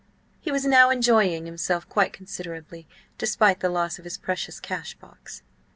He was now enjoying himself quite considerably, despite the loss of his precious cash box.